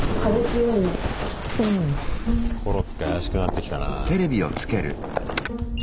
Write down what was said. コロッケ怪しくなってきたな。